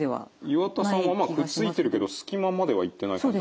岩田さんはくっついてるけどすき間まではいってない感じがしますね。